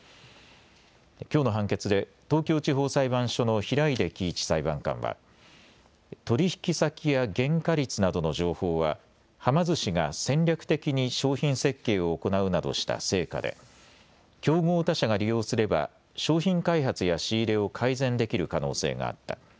きょうの判決で東京地方裁判所の平出喜一裁判官は取引先や原価率などの情報ははま寿司が戦略的に商品設計を行うなどした成果で競合他社が利用すれば商品開発や仕入れを改善できる可能性があった。